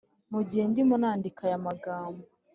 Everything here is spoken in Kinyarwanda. Mu gihe ndimo nandika aya magambo,